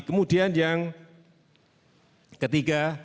kemudian yang ketiga